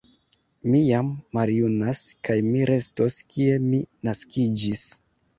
Mi jam maljunas, kaj mi restos kie mi naskiĝis.